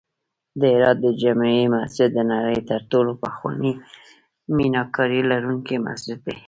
د هرات د جمعې مسجد د نړۍ تر ټولو پخوانی میناکاري لرونکی مسجد دی